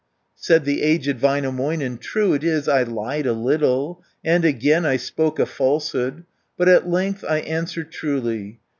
Said the aged Väinämöinen, "True it is I lied a little, And again I spoke a falsehood, But at length I answer truly.